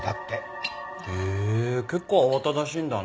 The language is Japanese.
へえ結構慌ただしいんだね。